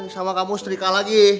sama kamu setrika lagi